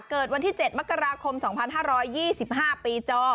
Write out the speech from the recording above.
เกิดวันที่๗มกราคม๒๕๒๕ปีจอ